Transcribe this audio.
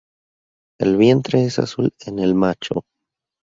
El vientre es azul en el macho.